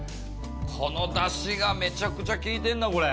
このだしがめちゃくちゃ効いてるなこれ。